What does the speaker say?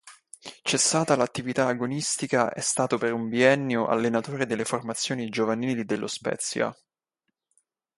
Cessata l'attività agonistica, è stato per un biennio allenatore delle formazioni giovanili dello Spezia.